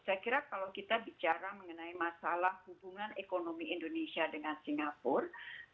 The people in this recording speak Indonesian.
saya kira kalau kita bicara mengenai masalah hubungan ekonomi indonesia dengan singapura